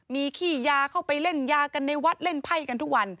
มีขี้ยาเข้าไปเล่นยากันในวัดเล่นไพ่กันทุกวัน